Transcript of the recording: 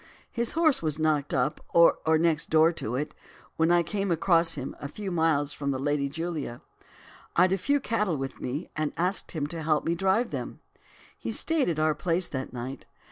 His horse was knocked up, or next door to it, when I came across him a few miles from the "Lady Julia"; I'd a few cattle with me, and asked him to help me drive them. He stayed at our place that night.